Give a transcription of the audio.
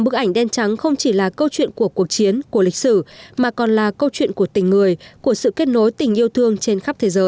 bức ảnh đen trắng không chỉ là câu chuyện của cuộc chiến của lịch sử mà còn là câu chuyện của tình người của sự kết nối tình yêu thương trên khắp thế giới